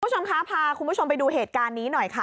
คุณผู้ชมคะพาคุณผู้ชมไปดูเหตุการณ์นี้หน่อยค่ะ